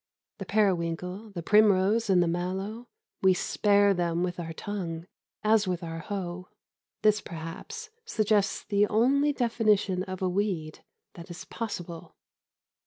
The periwinkle, the primrose and the mallow we spare them with our tongue as with our hoe. This, perhaps, suggests the only definition of a weed that is possible.